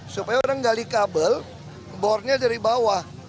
supaya orang gali kabel bornya dari bawah